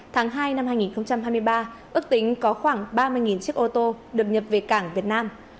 tháng hai năm hai nghìn hai mươi ba ước tính có khoảng ba mươi chiếc ô tô được nhập về cảng việt nam